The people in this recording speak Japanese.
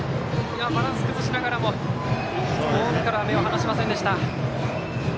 バランスを崩しながらもボールから目を離しませんでした。